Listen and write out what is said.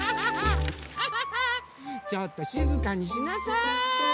ちょっとしずかにしなさい！